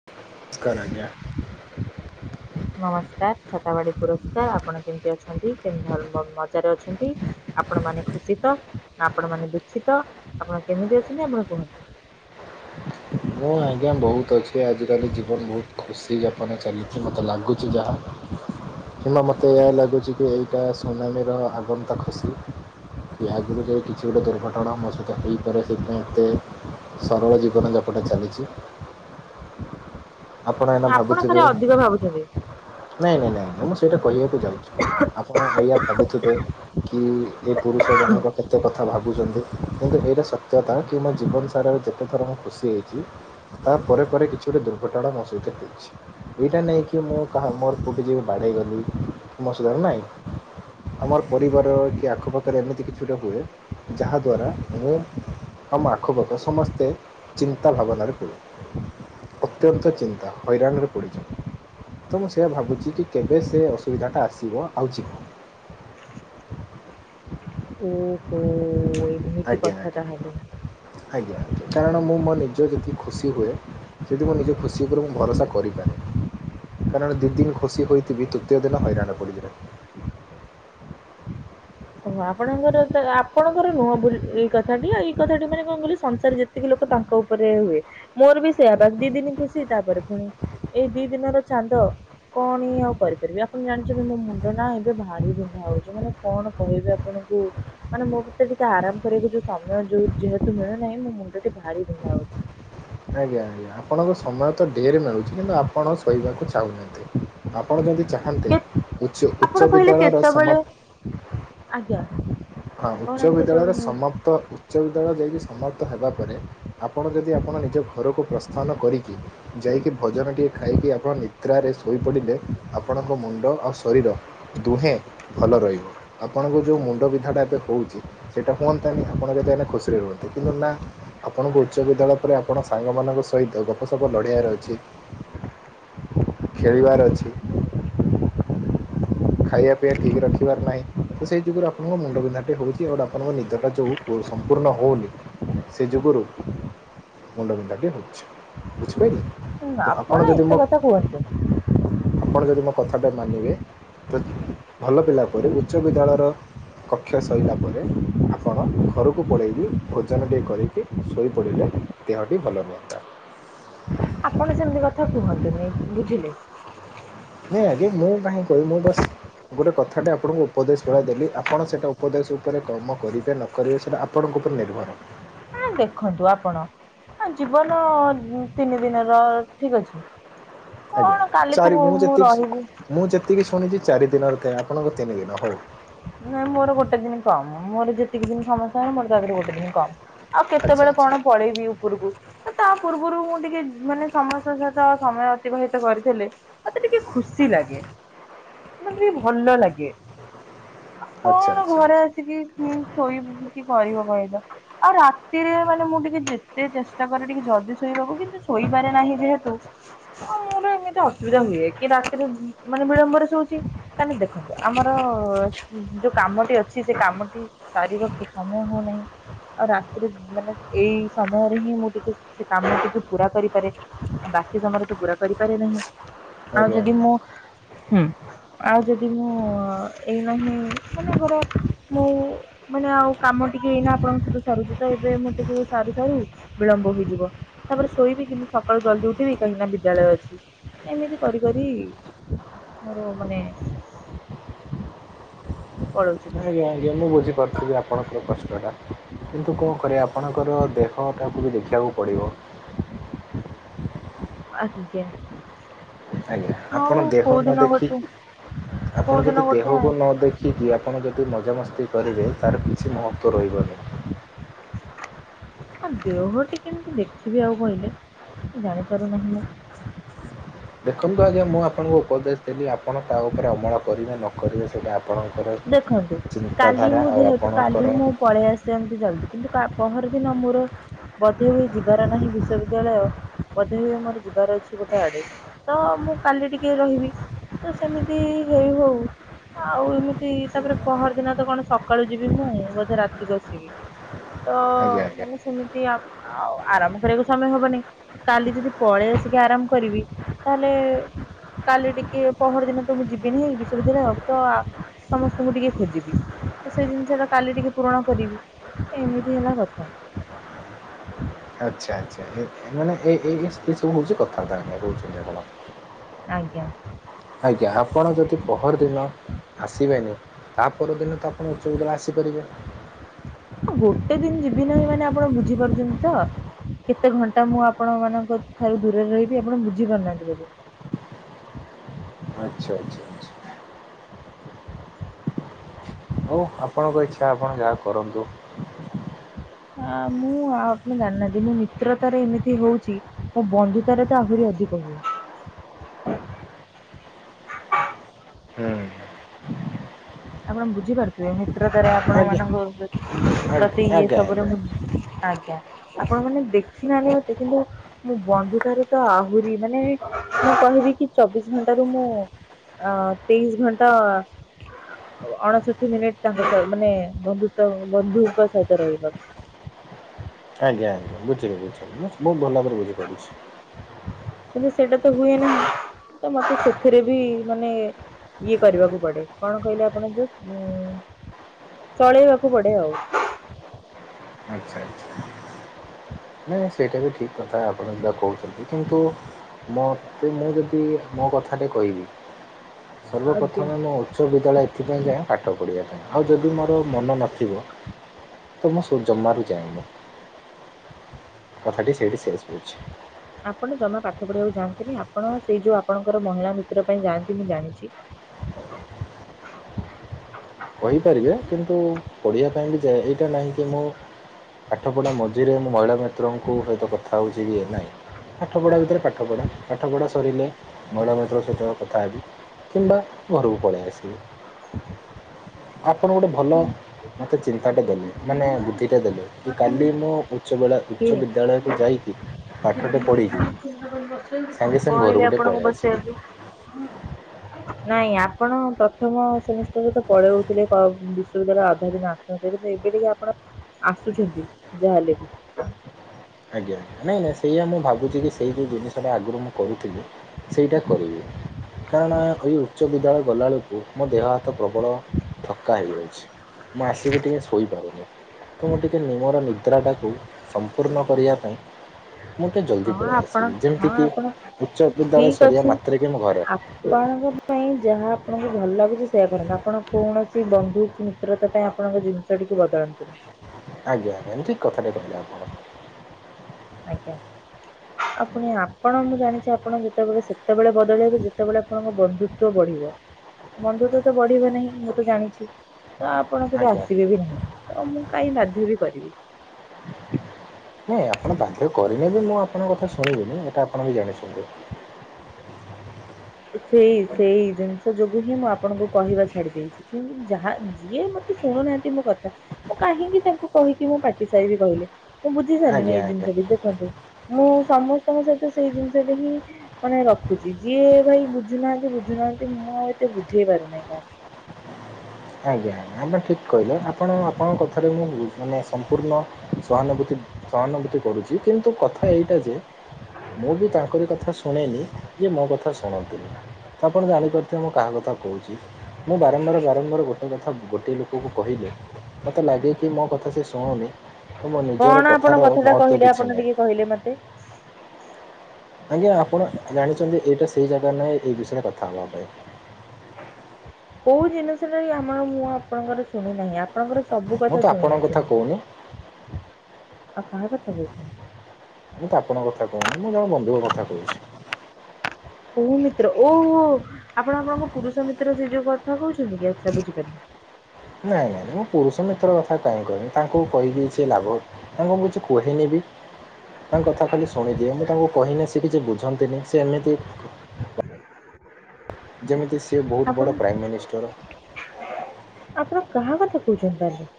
[unintelligible] ନମସ୍କାର ଛତାବାଡ଼ି ପୁରସ୍କାର ଆପଣ କେମିତି ଅଛନ୍ତି କେମିତି ଭଲ ମଜାରେ ଅଛନ୍ତି। ଆପଣ ମାନେ ଖୁସିିତ ନା ଆପଣ ମାନେ ଦୁଃଖିତ ଆପଣ କେମିତି ଅଛନ୍ତି ଆପଣ କୁହନ୍ତୁ? ମୁଁ ଆଜ୍ଞା ବହୁତ ଅଛି ଆଜିକାଲି ଜୀବନ ବହୁତ ଖୁସିଯାପନ ଚାଲିଛି ମୋତେ ଲାଗୁଛି ଯାହା। କିମ୍ବା ମତେ ଏହା ଲାଗୁଛି କି ଏଇଟା ସୁନାମିର ଆଗନ୍ତା ଖୁସି। କି ଆଗକୁ ଯାଇ କିଛି ଗୋଟେ ଦୁର୍ଘଟଣା ମୋ ସହିତ ହେଇପାରେ ସେଥିପାଇଁ ଏତେ। ସରଳ ଜୀବନଯାପଟା ଚାଲିଛି। ଆପଣ ଏନା ଖାଲି ଭାବୁଥିବେ ଅଧିକ ଭାବୁଛନ୍ତି ନାଇଁ ନାଇ ନାଇଁ ମୁଁ ସେଇଟା କହିବାକୁ ଯାଉଛି। ଆପଣ ଏଇଆ ଭାବୁଥିବେ କି ଏ ପୁରୁଷ ଜଣକ କେତେ କଥା ଭାବୁଛନ୍ତି। କିନ୍ତୁ ଏଇଟା ସତ୍ୟତା କି ମୋ ଜୀବନ ସାରରେ ଯେତେଥର ମୁଁ ଖୁସି ହେଇଛି ତା ପରେ ପରେ କିଛି ଗୋଟେ ଦୁର୍ଘଟଣା ମୋ ସହିତ ହେଇଛି। ଏଇଟା ନାଇଁ କି ମୁଁ କାହା ମୋର କୋଉଠି ଯାଇ ବାଡେଇ ଗଲି ମୋ [unintelligible] ନାଇଁ। ଆମର ପରିବାର କି ଆଖପାଖରେ ଏମିତି କିଛିଟା ହୁଏ ଯାହା ଦ୍ୱାରା ମୁଁ ଆମ ଆଖପାଖ ସମସ୍ତେ ଚିନ୍ତା ଭାବନାରେ ପଡୁ। ଅତ୍ୟନ୍ତ ଚିନ୍ତା ହଇରାଣରେ ପଡ଼ିଯାଉ। ତ ମୁଁ ସେଇଆ ଭାବୁଛି କି କେବେ ସେ ଅସୁବିଧାଟା ଆସିବ ଆଉ ଯିବ ଓହୋ ଏମି ଆଜ୍ଞା ଆଜ୍ଞା ଆଜ୍ଞା କାରଣ ମୁଁ ମୋ ନିଜ [unintelligible] ଖୁସି ହୁଏ। ସେଠି ମୁଁ ନିଜ ଖୁସି ଉପରେ ମୁଁ ଭରସା କରିପାରେନି କାରଣ! ଦିଇ ଦିନ ଖୁସି ହୋଇଥିବି ତୃତୀୟ ଦିନ ହଇରାଣ ପଡିବି ନାହିଁ। ଓହ ଆପଣଙ୍କର ତ ଆପଣଙ୍କର ନୁହଁ ବୋଲି ଏଇ କଥାଟି ଆଉ ଏଇ କଥାଟି ମାନେ କଣ କହିଲ ସଂସାର ଯେତ- ତିକି ଲୋକ ତାଙ୍କ ଉପରେ ହୁଏ। ମୋର ବି ସେଇୟା ବାସ୍ ଦି ଦିନ ଖୁସି ତାପରେ ପୁଣି ଏଇ ଦି ଦିନ ର ଚାନ୍ଦ କଣ ହିଁ ଆଉ କରିପାରିବି ଆପଣ ଜାଣିଛନ୍ତି, ମୋ ମୁଣ୍ଡ ନା ଏବେ ଭାରି ବିନ୍ଧା ହଉଛି ମାନେ କଣ କହିବି ଆପଣଙ୍କୁ ମାନେ, ମୋ ଭିତେରେ ଟିକେ ଆରାମ କରିଆକୁ ଯୋଉ ସମୟ ଯୋଉ ଯେହେତୁ ମିଳୁନାହିଁ ମୋ ମୁଣ୍ଡ ଏତେ ଭାରି ବିନ୍ଧା ହଉଛି। ଆଜ୍ଞା, ଆଜ୍ଞା, ଆପଣଙ୍କ ସମୟ ତ ଢ଼େର୍ ମିଳୁଛି କିନ୍ତୁ ଆପଣ ଶୋଇବାକୁ ଚାଉଁନାହାନ୍ତି। ଆପଣ ଯଦି ଚାହାନ୍ତେ କେ ଉଚ୍ ଆପଣ ଉଚ୍ଚ କହିଲେ ବିଦ୍ୟାଳୟର କେତେବେଳେ ସମ ଆଜ୍ଞା। ହଁ ଉଚ୍ଚ କହୁନାହାନ୍ତି କେତେବେଳେ ବିଦ୍ୟାଳୟର ମିଳୁଛି। ସମପ୍ତ ଉଚ୍ଚ ବିଦ୍ୟାଳୟ ଯାଇଁକି ସମପ୍ତ ହେବା ପରେ ଆପଣ ଯଦି ଆପଣ ନିଜ ଘରକୁ ପ୍ରସ୍ଥାନ କରିକି ଯାଇକି ଭୋଜନ ଟିକେ ଖାଇକି ଆପଣ ନିଦ୍ରାରେ ଶୋଇପଡିଲେ ଆପଣଙ୍କ ମୁଣ୍ଡ ଆଉ ଶରୀର ଦୁହେଁ ଭଲ ରହିବ ଆପଣଙ୍କୁ ଯୋଉ ମୁଣ୍ଡ ବି ନ୍ଧା ଟା ଏବେ ହଉଚି ସେଇଟା ହୁଅନ୍ତାନି ଆପଣ ଯେତେ ହେଲେ ଖୁସିରେ ରୁହନ୍ତେ। କିନ୍ତୁ ନା? ଆପଣଙ୍କ ଉଚ୍ଚ ବିଦ୍ୟାଳୟ ପରେ ଆପଣ ସାଙ୍ଗମାନଙ୍କ ସହିତ ଗପସପ ଲଢ଼େଇଆର ଅଛି। ଖେଳିବାର୍ ଅଛି। ଖାଇଆ ପିଇଆ ଠିକି ରଖିବାର ନାଇଁ ତ ସେଇ ଯୁଗୁରଖ ମୋ ମୁଣ୍ଡ ବିନ୍ଧାଟେ ହଉଚି ଆଉ, ତାପରେମୋ ନିଦ ଟା ଯୋଉ ପୁ ସମ୍ପୂର୍ଣ୍ଣ ହଉନି। ସେ ଯୋଗୁରୁ ମୁଣ୍ଡବିନ୍ଧାଟି ହଉଛି ବୁଝିପାଇଲୁ। ହୁଁ, ତ ଆପଣ ଯଦି ଏତେ ମୋ କଥା କୁହନ୍ତୁ ଆପଣ ଯଦି ମୋ କଥା ଟା ମାନିବେ ତ ଭଲ ପିଲା ପରି ଉଚ୍ଚ ବିଦ୍ୟାଳୟର କକ୍ଷ ସଇଲା ପରେ ଆପଣ ଘରୁକୁ ପଳେଇକି ଭୋଜନଟିଏ କରେଇକି ଶୋଇପଡ଼ିଲେ ଦେହଟି ଭଲ ରୁହନ୍ତା। ଆପଣ ସେମତି କଥା କୁହନ୍ତୁନି ବୁଝିଲେ! ନାଇଁ, ଆଗେ ମୁଁ କାହିଁ କଇବି ମୁଁ ବସ୍ ଗୋଟେ କଥାଟେ ଆପଣଙ୍କୁ ଉପଦେଶ ଭଳିଆ ଦେଲି। ଆପଣ ସେଟା ଉପଦେଶ ଉପରେ କର୍ମ କରିବେ ନ କରିବେ ସେଟା ଆପଣଙ୍କ ଉପରେ ନିର୍ଭର। ନାଇଁ ଦେଖନ୍ତୁ, ଆପଣ ଆଁ ଜୀବନ ତିନି ଦିନର ଠିକ୍ ଅଛି। ଆଜ୍ଞା କଣ କାଲିକୁୁ ମୁଁ ମୁଁ ରହିବି? ଏତିକି ଶୁଣିଚି ଚାରି ଦିନର ଥାଏ, ଆପଣଙ୍କୁ ତିନି ଦିନ ହଉ। ନାଇଁ ମୋର ଗୋଟେ ଦିନି କମ, ମୋର ଯେତିକି ଦିନି ସମସ୍ତଙ୍କର ମୋର ତା ଧୀରୁ ଗୋଟେ ଦିନି କମ୍। ଆଉ ଆଚ୍ଛା କେତେବେଳେ ଆଚ୍ଛା କଣ ପଳେଇବି ଉପୁରୁକୁ? ଏ ତା ପୂର୍ବରୁ ମୁଁ ଟିକେ - ମାନେ ସମସ୍ତଙ୍କ ସହିତ ସମୟ ଅତିବାହିତ କରିଥିଲେ ମତେ ଟିକେ ଖୁସି ଲାଗେ, ମତେ ଟିକେ ଭଲ ଲାଗେ। ଆଚ୍ଛା କଣ ଆଚ୍ଛା ଘରେ ଆଚ୍ଛା ଆସିକି ହୁଁ ଶୋଇବୁ କି କରିବ କହିଲ। ଆଉ ରାତିରେ ମାନେ ମୁଁ ଟିକେ ଯେତେ ଚେଷ୍ଟା କରେ ଟିକେ ଜଲଦି ଶୋଇବାକୁ କିନ୍ତୁ ଶୋଇପାରେ ନାହିଁ ଯେହେତୁ ହଁ ମୋର ଏମିତି ଅସୁବିଧା ହୁଏ କି ରାତିରେ ମାନେ ବିଳମ୍ବରେ ଶୋଉଚି। କାଇଁନା ଦେଖନ୍ତୁ ଆମର ଯୋଉ କାମଟି ଅଛି ସେ କାମଟି ସାରୀବକି ସମୟ ହଉନାଇଁ। ଆଉ ରାତିରେ ମାନେ ଏଇ ସମୟରେ ହିଁ ମୁଁ ଟିକେ ସେ କାମ ଟିକୁ ପୁରା କରିପାରେ। ବାକି ସମୟରେ ତ ପୁରା କରିପାରେ ନାହିଁ। ଆଉ ଆଜ୍ଞା ଯଦି ଆଜ୍ଞା ମୁଁ ହୁଁ, ଆଉ ଯଦି ମୁଁ ଏଇ ଲାଇନାହିଁ ମନେ କର ମୁଁ ମାନେ ଆଉ କାମ ଟିକେ ଏଇନା ଆପଣଙ୍କ ସହିତ ସରୁଚି ତ ଏବେ ମୁଁ ଟିକେ ସାରୁ ସାରୁ ବିଳମ୍ବ ହୋଇଯିବ ତାପରେ ଶୋଇବି ସକାଳୁ ଜଲଦି ଉଠିବି କାହିଁକିନା ବିଦ୍ୟାଳୟ ଅଛି। ଏମିତି କରି କରି ମୋର ମାନେ ପଳଉଚି। ଆଜ୍ଞା ଆଜ୍ଞା ମୁଁ ବୁଝିପାରୁଥିବି ଆପଣଙ୍କର କଷ୍ଟ ଟା। କିନ୍ତୁ କଁ କରିଆ? ଆପଣଙ୍କର ଦେହ ଟାକୁ ବି ଦେଖିଆକୁ ପଡିବ। ଆଜ୍ଞା। ଆଜ୍ଞା ଆଉ ଆପଣ ଦେହ କୋଉ ନ ଦିନ ଗୋଟେ ଦେଖିକି କୋଉ ଆପଣ ଦିନ ଯଦି ଗୋଟେ ଦେହକୁ ନ ଦେଖିକି ଆପଣ ଯଦି ମଜାମସ୍ତି କରିବେ ତାର କିଛି ମହତ୍ଵ ରହିବନି। [unintelligible] ଆ ଦେହ ଟିକେ କେମିତି ଦେଖିବି ଆଉ କହିଲେ ଜାଣିପାରୁନାହିଁ ମୁଁ। ଦେଖନ୍ତୁ ଆଜ୍ଞା ମୁଁ ଆପଣଙ୍କୁ ଉପଦେଶ ଯଦି ଆପଣ ତା ଉପରେ ଅମଳ କରିବେ ନ କରିବେ ସେଇଟା ଆପଣଙ୍କର ଦେଖନ୍ତୁ କାଲି ଚିନ୍ତାଧାରା ମୁଁ ଆଉ ଯେହେତୁ କାଲି ଆପଣଙ୍କର ମୁଁ ପଳେଇ ଆସନ୍ତି ଜଲଦି କିନ୍ତୁ ପହର ଦିନ ମୋର ବୋଧେ ଯିବାର ନାହିଁ ବିଶ୍ଵବି ବିଦ୍ୟାଳୟ ବୋଧେ ହୁଏ ମୋର ଯିବାର ଅଛି ଗୋଟେ ଆଡେ ତ ମୁଁ କାଲି ଟିକେ ରହିବି। ତ ସେମିତି ହେଇ ହଉ ଆଉ ଏମିତି ତାପରେ ପହରଦିନ ତ କଣ ସକାଳୁ ଯିବି ମୁଁ ବୋଧେ ରାତିକୁ ଆସିବି। ତ ଆଜ୍ଞା ଆଜ୍ଞା ମାନେ ସେମିତି ଆଆଉ ଆରାମ୍ଭ କରିବାକୁ ସମୟ ହବନି। କାଲି ଯଦି ପଳେଇ ଆସିକି ଆରାମ କରିବି ତାହେଲେ କାଲି ଟିକେ ପହର ଦିନ ତ ମୁଁ ଯିବିନିି ବିଶ୍ୱବିଦ୍ୟାଳୟ ତ ସମସ୍ତଙ୍କୁ ଟିକେ ଖୋଜିବି। ତ ସେଇ ଜିନିଷ ଟା କାଲି ଟିକେ ପୂରଣ କରିବି ଏମିତି ହେଲା କଥା। ଆଚ୍ଛା ଆଚ୍ଛା ଏ ମାନେ ଏ ଏଇ ସବୁ ହଉଛି କଥାବାର୍ତ୍ତା ଆ ରହୁଛନ୍ତି ଆପଣ ଆଜ୍ଞା। ଆଜ୍ଞା ଆପଣ ଯଦି ପହରଦିନ ଆସିବେନି ତା ପରଦିନ ତ ଆପଣ ଉଚ୍ଚବିଦ୍ୟାଳୟ ଆସିପାରିବେ। ଗୋଟେ ଦିନ ଯିବି ନାହିଁ ମାନେ ଆପଣ ବୁଝିପାରୁଛନ୍ତି ତ। କେତେ ଘଣ୍ଟା ମୁଁ ଆପଣ ମାନଙ୍କ ଠାରୁ ଦୂରରେ ରହିବି ଆପଣ ବୁଝି ପାରୁନାହାନ୍ତି ବୋଧେ। ଆଚ୍ଛା ଆଚ୍ଛା। ଆଚ୍ଛା। ହଉ ଆପଣଙ୍କ ଇଚ୍ଛା ଆପଣ ଯାହା କରନ୍ତୁ। ଆ ମୁଁ ଆଉ ଆପଣ ଜାଣିନାହାନ୍ତି ମୁଁ ମିତ୍ରତାରେ ଏମିତି ହୋଉଛି ମୋ ବନ୍ଧୁତାରେ ତ ଆହୁରି ଅଧିକ ହୁଏ। ହୁଁ। ଆପଣ ବୁଝିପାରୁଥିବେ। ମିତ୍ରତାରେ ଆପଣ ଆଜ୍ଞା ମାନଙ୍କ ଆଜ୍ଞା ପ୍ରତି ଇଏ ଆଜ୍ଞା ସବୁରେ ଆଜ୍ଞା। ମୁଁ ଆଜ୍ଞା ଆପଣ ମାନେ ଦେଖିନାହାନ୍ତି ଏତେ କିନ୍ତୁ ମୁଁ ବନ୍ଧୁତା ରେ ତ ଆହୁରି ମାନେ ମୁଁ କହିବି କି ଚବିଶ ଘଣ୍ଟାରୁ ମୁଁ ଅ ତେଇଶ ଘଣ୍ଟା ଅଣଷଠି ମିନିଟ ତାଙ୍କ ମାନେ ବନ୍ଧୁତ୍ଵ ବନ୍ଧୁଙ୍କ ସହିତ ରହିବ। ଆଜ୍ଞା ଆଜ୍ଞା ବୁଝିଲି ମୁଁ ଭଲ ଭାବରେ ବୁଝି ପାରୁଛି। କିନ୍ତୁ ସେଇଟା ତ ହୁଏ ନାହିଁ ତ ମତେ ସେଥିରେ ବି ମାନେ ଇଏ କରିବାକୁ ପଡ଼େ କଣ କହିଲେ ଆପଣଙ୍କ ଯୋଉ ଚଳେଇବାକୁ ପଡ଼େ ଆଉ। ଆଚ୍ଛା ଆଚ୍ଛା। ନାହିଁ ସେଇଟା ବି ଠିକ୍ କଥା ଆପଣ ଯା କହୁଛନ୍ତି କିନ୍ତୁ ମତେ ମୁଁ ଯଦି ମୋ କଥାଟେ କହିବି ଆଜ୍ଞା। ସର୍ବପ୍ରଥମେ ମୋ ବିଦ୍ୟାଳୟ ଏଥିପାଇଁ ଯାଏଁ ପାଠ ପଢ଼ିବା ପାଇଁ ଆଉ ଯଦି ମୋର ମନ ନଥିବ! ତ ମୁଁ ଶୁ ଜମାରୁ ଯାଏନି। କଥାଟି ସେଇଠି ଶେଷ କରୁଛି। ଆପଣ ଜମା ପାଠ ପଢ଼ିବାକୁ ଯାଆନ୍ତିନି ଆପଣ ସେଇ ଯୋଉ ଆପଣଙ୍କର ମହିଳା ମିତ୍ରଙ୍କ ପାଇଁ ଯାଆନ୍ତି ମୁଁ ଜାଣିଛି। କହିପାରିବେ, କିନ୍ତୁ ପଢ଼ିବା ପାଇଁ ବି ଯାଏ। ଏଇଟା ନାହିଁ କି ମୁଁ ପାଠପଢ଼ା ମଝିରେ ମୁଁ ମହିଳା ମିତ୍ରଙ୍କୁ ସହିତ କଥା ହେଉଛି କି ନାହିଁ। ପାଠପଢ଼ା ଭିତରେ ପାଠ ପଢ଼ା ପାଠ ପଢ଼ା ସରିଲେ ମହିଳା ମିତ୍ରଙ୍କ ସହିତ କଥା ହେବି। କିମ୍ବା ଘରକୁ ପଳେଇ ଆସିବି। ଆପଣ ଗୋଟେ ଭଲ ମୋତେ ଚିନ୍ତାଟା ଦେଲେ, ମାନେ ବୁଦ୍ଧିଟା ଦେଲେ। କି କାଲି ମୁଁ ଉଚ୍ଚ ବେଳା କିଏ? ଉଚ୍ଚ ବିଦ୍ୟାଳୟକୁ ଯାଇକି ପାଠଟେ ପଢ଼ିକି ସାଙ୍ଗେ ସାଙ୍ଗେ କହିଲେ ଘରକୁ ଟିକେ ଆପଣଙ୍କୁ ପଳେଇ ଆସିବି। ବସେଇବାକୁ। [inaudible] ନାଇଁ ଆପଣ ପ୍ରଥମ ସେମିଷ୍ଟାର ରେ ତ ପଳଉଥିଲେ ବିଶ୍ୱବିଦ୍ୟାଳୟ ଅଧା ଦିନ ଦେଖନ୍ତୁ ଏବେ ଟିକେ ଆପଣ ଆସୁଛନ୍ତି ଯାହାହେଲେ ବି ଆଜ୍ଞା, ନାଇଁ ନାଇଁ ସେଇଆ ମୁଁ ଭାବୁଛିଯେ ସେଇ ଯୋଉ ଜିନିଷଟା ଆଗରୁ ମୁଁ କରୁଥିଲି। ସେଇଟା କରିବି କାରଣ ଏହି ଉଚ୍ଚ ବିଦ୍ୟାଳୟ ଗଲାବେଳକୁ ମୋ ଦେହ ହାତ ପ୍ରବଳ ଥକ୍କା ହେଇଯାଉଛି, ମୁଁ ଆସିକି ଟିକେ ଶୋଇପାରୁନି। ତ ମୁଁ ଟିକେ ମୋର ନିଦ୍ରାଟାକୁ ସମ୍ପୂର୍ଣ୍ଣ କରିବା ପାଇଁ ମୁଁ ଟିକେ ଜଲ୍ଦି ହଁ ପଳେଇ ଆପଣ ଆସିବି। ଯେମିତି ହଁ କି ଆପଣ ଉଚ୍ଚ ବିଦ୍ୟାଳୟ ଠିକ୍ ସରିବା ଅଛି। ମାତ୍ରେ କି ମୁଁ ଘରେ। ଆପଣଙ୍କ ପାଇଁ ଯାହା ଆପଣଙ୍କୁ ଭଲ ଲାଗୁଛି ସେୟା କରନ୍ତୁ। ଆପଣ କୌଣସି ବନ୍ଧୁ ମିତ୍ରତା ପାଇଁ ଆପଣଙ୍କ ଜିନିଷ ଟିକୁ ବଦଳାନ୍ତୁନି। ଆଜ୍ଞା ଆଜ୍ଞା। ଠିକ୍ କଥାଟା କହିଲେ ଆପଣ। ଆଜ୍ଞା। ଆ ପୁଣି ଆପଣ ମୁଁ ଜାଣିଛି ଆପଣ ଯେତେବେଳେ ସେତେବେଳେ ବଦଳେଇବେ ଯେତେବେଳେ ଆପଣଙ୍କ ବନ୍ଧୁ ବଢିବ ବନ୍ଧତ୍ଵ ତ ବଢିବ ନାହିଁ ମୁଁ ତ ଜାଣିଛି। ତ ଆପଣ କେବେ ଆଜ୍ଞା ଆସିବେ ବି ନାହିଁ ତ ମୁଁ କାଇଁ ବାଧ୍ୟ ବି କରିବି। ନାଇଁ ଆପଣ ବାଧ୍ୟ କରିଲେବି ମୁଁ ଆପଣଙ୍କ କଥା ଶୁଣିବିନି ହେଇଟା ଆପଣ ବି ଜାଣିଛନ୍ତି। ହଁ ସେଇ ସେଇ ଜିନିଷ ଯୋଗୁ ହିଁ ମୁଁ ଆପଣଙ୍କୁ କହିବା ଛାଡି ଦେଇଛି। କିନ୍ତୁ ଯାହା ଯିଏ ମତେ ଶୁଣୁନାହାନ୍ତି ମୋ କଥା ମୁଁ କାହିଁକି ତାଙ୍କୁ କହିକି ମୁଁ ପାଟି ସାରିବି କହିଲେ। ମୁଁ ବୁଝି ସାରିଲିଣିି ଆଜ୍ଞା ଏଇ ଆଜ୍ଞା ଆଜ୍ଞା ଜିନିଷଟି। ଦେଖନ୍ତୁ ମୁଁ ସମସ୍ତଙ୍କ ସହିତ ସେଇ ଜିନିଷଟ ହିଁ ମାନେ ରଖୁଛି। ଯିଏ ବୁଝୁନାହାନ୍ତି, ବୁଝୁନାହାନ୍ତି। ମୁଁ ଆଉ ଏତେ ବୁଝେଇବାର ନାହିଁ କାହାକୁ। ଆଜ୍ଞା ଆଜ୍ଞା ଆମେ ଠିକ କହିଲେ ଆପଣ ଆପଣଙ୍କ କଥାଟିକୁ ମୁଁ ବୁଝୁନି ସମ୍ପୂର୍ଣ୍ଣ ସହାନୁଭୂତି ସହାନୁଭୂତି କରୁଛି। କିନ୍ତୁ କଥା ଏଇଟା ଯେ ମୁଁ ବି ତାଙ୍କରି କଥା ଶୁଣେନି ଯିଏ ମୋ କଥା ଶୁଣନ୍ତିନି। ଆପଣ ଜାଣିପାରୁଥିବେ ମୁଁ କାହା କଥା କହୁଛି। ମୁଁ ବାରମ୍ବାର ବାରମ୍ବାର ଗୋଟାଏ କଥା ଗୋଟିଏ ଲୋକକୁ କହିଲେ ମୋତେ ଲାଗେ କି ମୋ କଥା ସେ ଶୁଣୁନି ତ ମୋ ନିଜର କଣ କଥାର ଆପଣଙ୍କ କଥା ଟା ମହତ୍ତ୍ଵ କହିଲେ କିଛି ଆପଣ ନାହିଁ ଟିକେ କହିଲେ ମତେ। ଆଜ୍ଞା ଆପଣ ଜାଣିଛନ୍ତି ଏଇଟା ସେଇ ଜାଗା ନାହିଁ ଏଇ ବିଷୟରେ କଥା ହବା ପାଇଁ। କୋଉ ଜିନିଷ ନାହିଁ ଆମର ମୁଁ ଆପଣଙ୍କର ଶୁଣି ନାହିଁ। ଆ ଆପଣଙ୍କର ସବୁ ମୁଁ ତ କଥା ଆପଣଙ୍କ କଥା ଶୁଣିଅଛି କହୁନି ମୁଁ। ଆପଣ କଥା କହୁଛନ୍ତି। ମୁଁ ତ ଆପଣଙ୍କ କଥା କହୁନି ମୁଁ ଜଣେ ବନ୍ଧୁଙ୍କ କଥା କହୁଛି। କୋଉ ମିତ୍ର? ଓହୋ, ଆପଣ ଆପଣଙ୍କ ପୁରୁଷ ମିତ୍ର ସେଇ ଯୋଉ କଥା କହୁଛନ୍ତି କି, ଆଛା ବୁଝିପାରିଲି। ନାଇଁ ନାଇଁଁ ମୁଁ ପୁରୁଷ ମିତ୍ର କଥା କାହିଁ କହିମି, ତାଙ୍କୁ କହିକି ସିଏ ଲାଭ ତାଙ୍କୁ ମୁଁ କିଛି କହେନି ବି ତାଙ୍କ କଥା ଖାଲି ଶୁଣିଦିଏ, ମୁଁ ତାଙ୍କୁ କହିନି, ସେ କିଛି ବୁଝନ୍ତିନି, ସେ ଏମିତି ଯେମିତି ସିଏ ବହୁତ ବଡ଼ ଆପଣ, ପ୍ରାଇମ୍ ମିନିଷ୍ଟର ଆପଣ କାହା କଥା କହୁଚନ୍ତି ତାହାଲେ?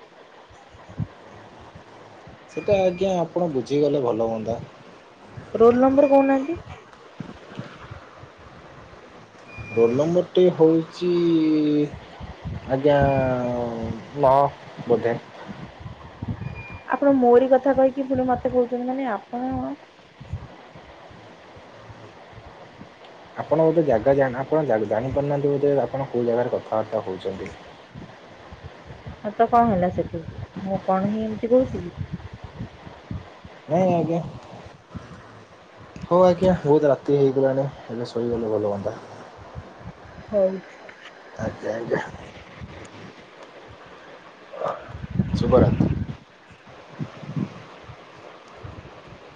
ସେଟା ଆଜ୍ଞା ଆପଣ ବୁଝିଗଲେ ଭଲ ହୁଅନ୍ତା। ରୋଲ୍ ନମ୍ବର୍ କହୁନାହାନ୍ତି? ରୋଲ୍ ନମ୍ବରଟି ହଉଚି ଇ ଆଜ୍ଞା, ନ ବୋଧେ। ଆପଣ ମୋରି କଥା କହିକି ପୁଣି ମତେ କହୁଚନ୍ତି, ମାନେ ଆପଣ ଅ ଆପଣ ଗୋଟେ ଜାଗା [unintelligible] ଆପଣ ଜାଣିପାରୁନାହାନ୍ତି ବୋଧେ ଆପଣ କୋଉ ଜାଗାରେ କଥାବାର୍ତ୍ତା ହଉଚନ୍ତି? ହଁ ତ କଣ ହେଲା ସେଠୁ? ମୁଁ କଣ ହିଁ ଏମିତି କହୁଚି କି? ହଁ ଆଜ୍ଞା। ହଉ ଆଜ୍ଞା, ବହୁତ ରାତି ହେଇଗଲାଣି, ଏବେ ଶୋଇଗଲେ ଭଲ ହଅନ୍ତା। ହଉ। ଆଜ୍ଞା, ଆଜ୍ଞା। ଶୁବିଳା। [unintelligible]